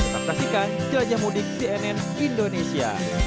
saksikan jelajah mudik cnn indonesia